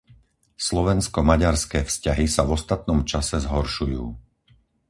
Slovensko-maďarské vzťahy sa v ostatnom čase zhoršujú.